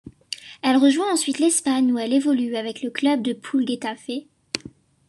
Elle rejoint ensuite l'Espagne où elle évolue avec le club de Pool Getafe.